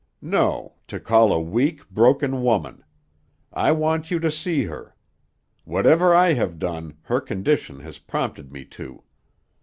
"'No, to call a weak, broken woman; I want you to see her. Whatever I have done, her condition has prompted me to.'